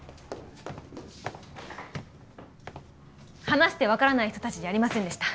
話して分からない人たちじゃありませんでした。